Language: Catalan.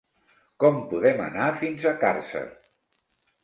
Com podem anar fins a Càrcer?